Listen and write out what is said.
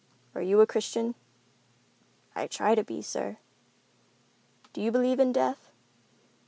"Are you a Christian?" "I try to be, sir." "Do you believe in death?"